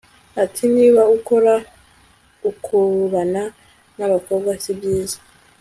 ati “niba uhora ukururana n'abakobwa si byiza